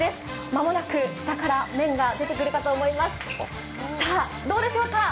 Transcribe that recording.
間もなく下から麺が出てくるかと思います、どうでしょうか。